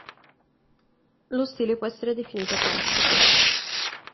Lo stile può essere definito classico.